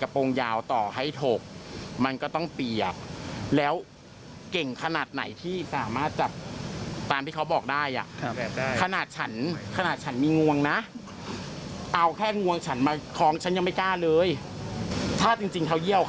ของฉันยังไม่กล้าเลยถ้าจริงเธอเยี่ยว